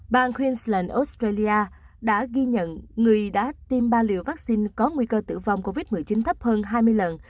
bàn queensland australia đã ghi nhận người đã tiêm ba liều vắc xin có nguy cơ tử vong covid một mươi chín thấp hơn hai mươi lần